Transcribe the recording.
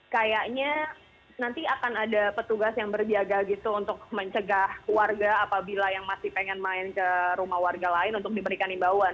kayaknya nanti akan ada petugas yang berjaga gitu untuk mencegah warga apabila yang masih pengen main ke rumah warga lain untuk diberikan imbauan